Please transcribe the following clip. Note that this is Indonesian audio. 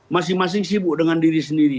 masing masing sibuk dengan diri sendiri